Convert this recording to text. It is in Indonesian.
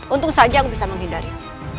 untung saja aku bisa menghindari